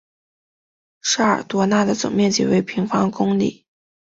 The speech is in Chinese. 沙尔多讷的总面积为平方公里。